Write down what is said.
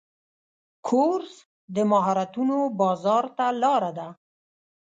کورس د مهارتونو بازار ته لاره ده.